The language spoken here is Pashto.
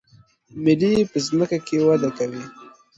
ملی په ځمکه کې وده کوي